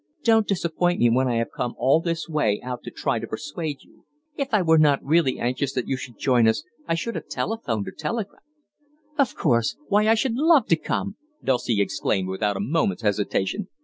Don't disappoint me when I have come all this way out to try to persuade you if I were not really anxious that you should join us I should have telephoned or telegraphed!" "Of course why, I shall love to come!" Dulcie exclaimed, without a moment's hesitation.